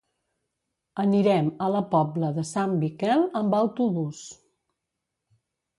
Anirem a la Pobla de Sant Miquel amb autobús.